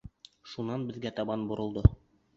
Шунан беҙгә табан боролдо: